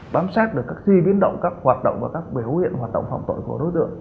bám sát được các di biến động các hoạt động và các biểu hiện hoạt động phạm tội của đối tượng